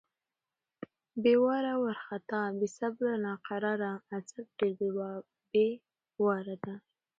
بې واره، وارختا= بې صبره، ناقراره. اڅک ډېر بې واره دی.